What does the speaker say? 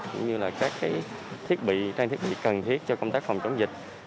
cũng như là các thiết bị trang thiết bị cần thiết cho công tác phòng chống dịch